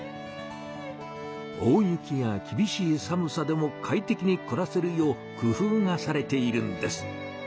大雪やきびしいさむさでも快適にくらせるよう工夫がされているんです。